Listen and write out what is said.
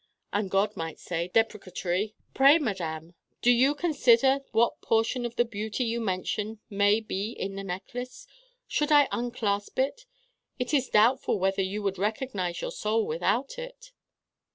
And God might say, deprecatory: 'Pray, Madame, do you consider what portion of the beauty you mention may be in the Necklace? Should I unclasp it it is doubtful whether you would recognize your soul without it.